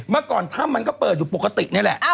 เมื่อก่อนถ้ำมันก็เปิดอยู่ปกตินี่แหละ